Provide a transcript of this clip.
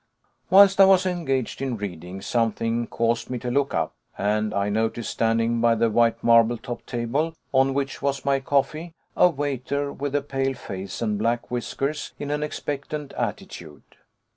Whilst I was engaged in reading, something caused me to look up, and I noticed standing by the white marble topped table, on which was my coffee, a waiter, with a pale face and black whiskers, in an expectant attitude.